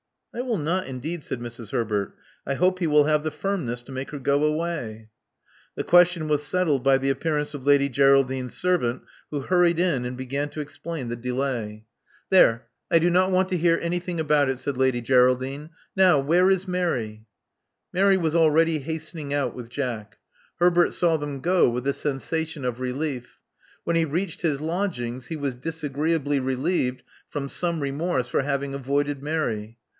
"I will not, indeed," said Mrs. Herbert. '*I hope he will have the firmness to make her go away. '' The question was settled by the appearance of Lady Geraldine 's servant, who hurried in, and began to explain the delay. 256 Love Among the Artists t<r 'There. I do not want to hear anything atx)Ut it/* said Lady Geraldine. Now, where is Mary?" Mary was already hastening out with Jack. Herbert saw them go with a sensation of relief. When he reached his lodgings he was disagreeably relieved from some remorse for having avoided Mary.